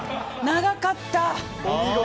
長かった。